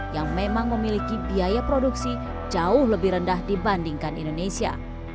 yang memang memiliki biaya produksi jauh lebih rendah dibandingkan indonesia